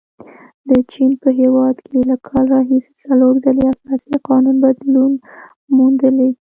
د چین په هیواد کې له کال راهیسې څلور ځلې اساسي قانون بدلون موندلی.